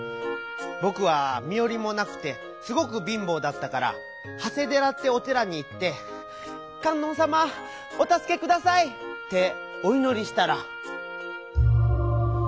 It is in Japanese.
ぼくはみよりもなくてすごくびんぼうだったから長谷寺ってお寺に行って「観音さまおたすけください！」っておいのりしたら。